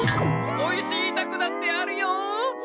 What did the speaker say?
おいしいタコだってあるよ。